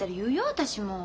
私も。